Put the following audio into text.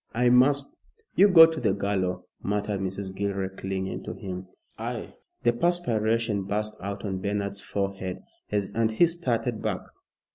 I must " "You go to the gallow," muttered Mrs. Gilroy clinging to him. "I!" the perspiration burst out on Bernard's forehead, and he started back.